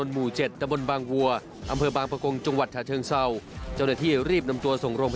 จู่จู่ยางก็ระเบิดใส่ร่างคนขับจนกระเด็นได้ระบะเจ็บ